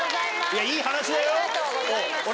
いやいい話だよ。